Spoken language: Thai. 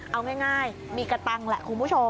เอาง่ายมีกระตังแหละคุณผู้ชม